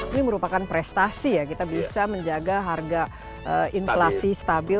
ini merupakan prestasi ya kita bisa menjaga harga inflasi stabil